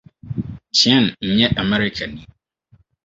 Chien nyɛ Amerikani.